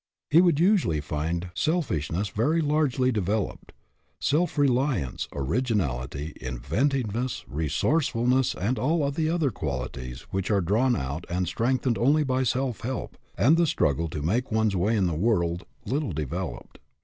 He would usually find self ishness very largely developed; self reliance, originality, inventiveness, resourcefulness, and all the other qualities which are drawn out and strengthened only by self help and the strug gle to make one's way in the world, little developed.